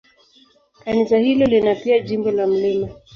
Kanisa hilo lina pia jimbo la Mt.